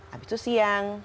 habis itu siang